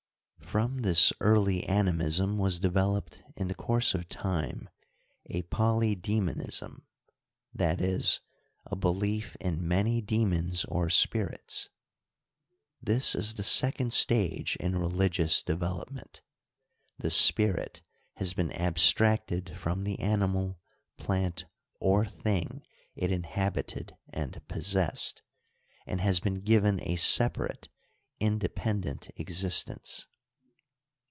From this early animism was developed in the course of time a polydcemonism — i. e., a belief in many demons or spirits. Tnis is the second stage in religious develop ment; the spirit has been abstracted from tne animal, plant, or thing it inhabited and possessed, and has been given a separate, independent existence.